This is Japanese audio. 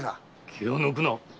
気を抜くな！